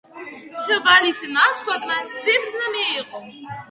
თვალის ნაცვლად მან სიბრძნე მიიღო.